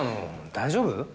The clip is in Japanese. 大丈夫？